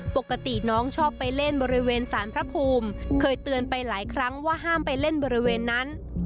ปกติน้องชอบไปเล่นบริเวณสารพระภูมิเคยเตือนไปหลายครั้งว่าห้ามไปเล่นบริเวณนั้น